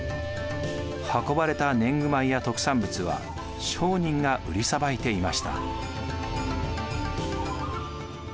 運ばれた年貢米や特産物は商人が売りさばいていました。